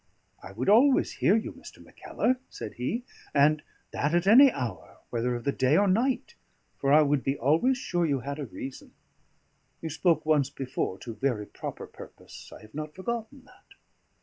"I would always hear you, Mr. Mackellar," said he, "and that at any hour, whether of the day or night, for I would be always sure you had a reason. You spoke once before to very proper purpose; I have not forgotten that."